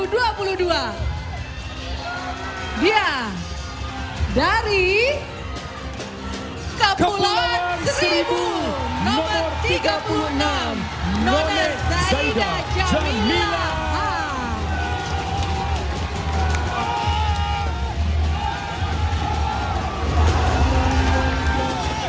jakarta dua ribu dua puluh dua dia dari kepulauan seribu nomor tiga puluh enam nona zahida jamilah